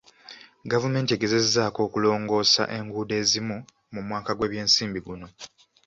Gavumenti egezezzaako okulongoosa enguudo ezimu mu mwaka gw'ebyensimbi guno.